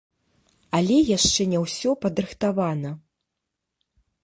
Але яшчэ не ўсё падрыхтавана.